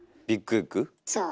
そう。